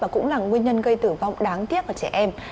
và cũng là nguyên nhân gây tử vong đáng tiếc ở trẻ em